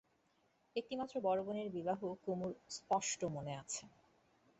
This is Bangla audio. একটিমাত্র বড়ো বোনের বিবাহ কুমুর স্পষ্ট মনে আছে।